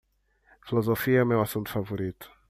Filosofia é meu assunto favorito.